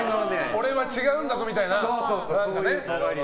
俺は違うんだぞ、みたいなね。